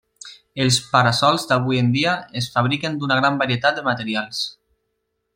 Els para-sols d'avui en dia es fabriquen d'una gran varietat de materials.